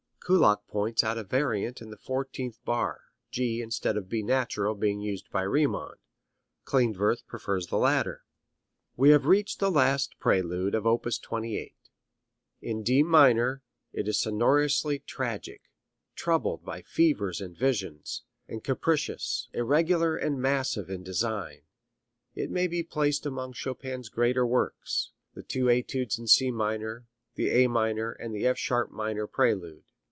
Kullak points out a variant in the fourteenth bar, G instead of B natural being used by Riemann. Klindworth prefers the latter. We have reached the last prelude of op. 28. In D minor, it is sonorously tragic, troubled by fevers and visions, and capricious, irregular and massive in design. It may be placed among Chopin's greater works: the two Etudes in C minor, the A minor, and the F sharp minor Prelude.